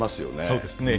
そうですね。